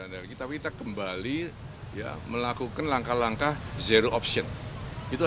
jadi bisa ditegaskan tidak akan ada munasluf pak wiranto